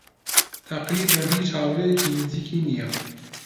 تەقریبەن هیچ هاوڕێیەکی نزیکی نییە.